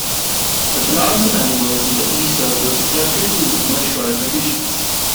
The plants and animals in the east are thus adapted to much drier conditions.